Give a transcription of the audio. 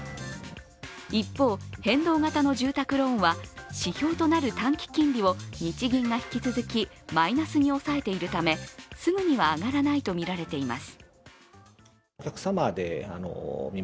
一方、変動型の住宅ローンは指標となる短期金利を日銀が引き続きマイナスに抑えているためすぐには上がらないとみられています。